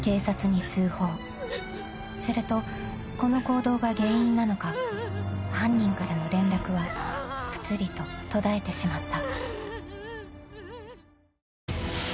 ［するとこの行動が原因なのか犯人からの連絡はぷつりと途絶えてしまった］